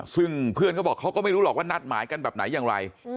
ซึ่งเพื่อนเขาบอกเขาก็ไม่รู้หรอกว่านัดหมายกันแบบไหนอย่างไร